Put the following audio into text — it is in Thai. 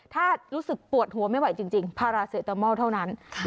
ถ้ารู้สึกปวดหัวไม่ไหวจริงพาราเซตามอลเท่านั้น